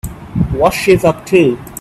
What's she up to?